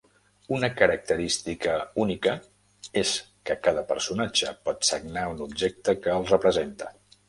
Una característica única és que cada personatge pot "sagnar" un objecte que els representa.